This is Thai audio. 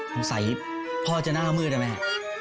พ่อจะหน้ามืดนะแม่